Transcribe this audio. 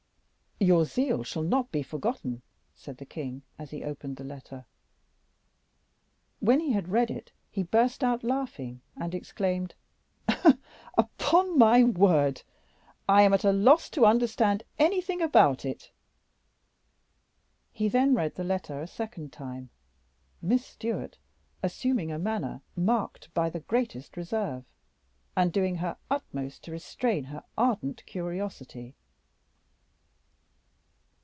"Your zeal shall not be forgotten," said the king, as he opened the letter. When he had read it he burst out laughing, and exclaimed, "Upon my word, I am at a loss to understand anything about it." He then read the letter a second time, Miss Stewart assuming a manner marked by the greatest reserve, and doing her utmost to restrain her ardent curiosity.